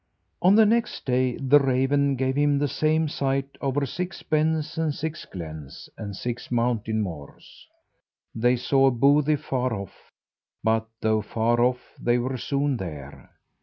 On the next day the raven gave him the same sight over six Bens, and six Glens, and six Mountain Moors. They saw a bothy far off, but, though far off, they were soon there.